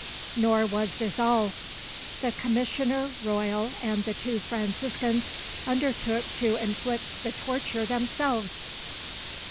Nor was this all: the commissioner royal and the two Franciscans undertook to inflict the torture themselves.